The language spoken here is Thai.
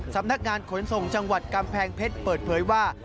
สำนักงานขนส่งจังหวัดกำแพงเพชรเปิดเผยว่า